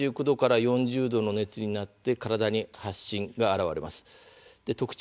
そのあと３９度から４０度の熱になって体に発疹が現れます。